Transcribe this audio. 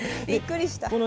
びっくりした。